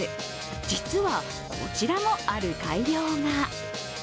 実は、こちらも、ある改良が。